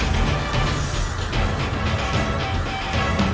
tidak ada tugas baru lagi nih teman